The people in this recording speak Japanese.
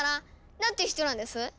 何て人なんです？